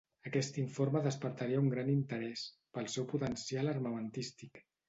Aquest informe despertaria un gran interès, pel seu potencial armamentístic.